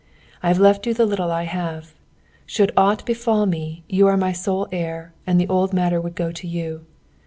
I've left you the little I have. Should aught befall me, you are my sole heir, and the old matter would go to you.